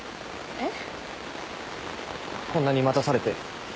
えっ？